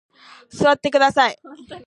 座ってください。